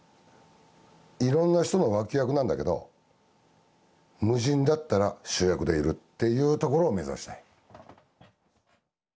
いろんな人の脇役なんだけど無人だったら主役でいるっていうところを目指したい。